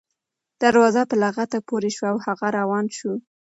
دروازه په لغته پورې شوه او هغه روان شو.